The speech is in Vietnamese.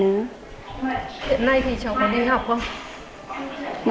hiện nay thì cháu có đi học không